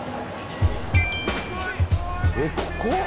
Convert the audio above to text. えっここ？